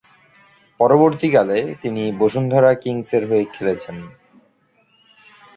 পরবর্তীকালে, তিনি বসুন্ধরা কিংসের হয়ে খেলেছেন।